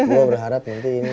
gue berharap nanti ini